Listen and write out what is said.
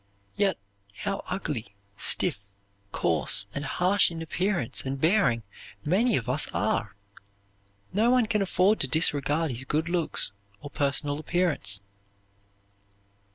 Yet how ugly, stiff, coarse, and harsh in appearance and bearing many of us are! No one can afford to disregard his good looks or personal appearance.